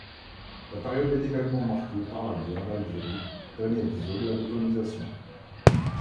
La période est également marquée par la guerre d'Algérie, dernier épisode de la décolonisation.